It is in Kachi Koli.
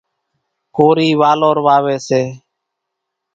ڪورِي والور واويَ سي۔